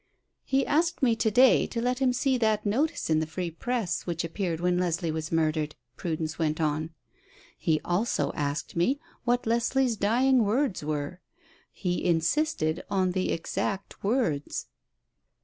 "He asked me yesterday to let him see that notice in the Free Press which appeared when Leslie was murdered," Prudence went on. "He also asked me what Leslie's dying words were. He insisted on the exact words."